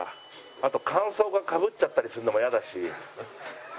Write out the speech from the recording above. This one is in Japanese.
あと感想がかぶっちゃったりするのも嫌だし。